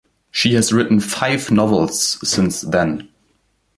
She has written five novels since then.